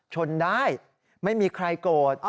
ชนได้ไม่มีใครโกรธ